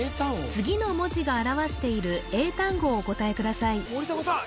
次の文字が表している英単語をお答えください森迫さん